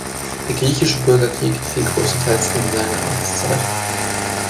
Der Griechische Bürgerkrieg fiel großteils in seine Amtszeit.